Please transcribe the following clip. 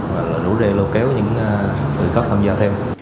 và lũ rê lô kéo những người khắp thành phố